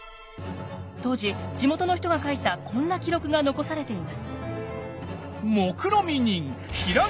当時地元の人が書いたこんな記録が残されています。